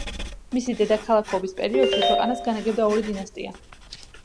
მისი დედაქალაქობის პერიოდში ქვეყანას განაგებდა ორი დინასტია.